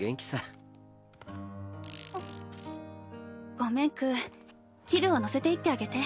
ごめんクーキルを乗せていってあげて。